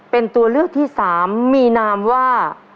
เป็นตัวเลือกที่๓มีนามว่า